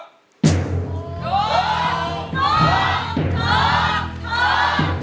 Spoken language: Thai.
ถูก